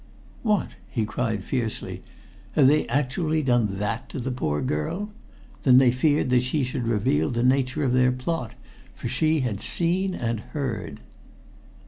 "What!" he cried fiercely. "Have they actually done that to the poor girl? Then they feared that she should reveal the nature of their plot, for she had seen and heard."